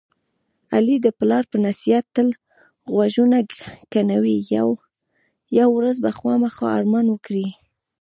علي د پلار په نصیحت تل غوږونه کڼوي. یوه ورځ به خوامخا ارمان وکړي.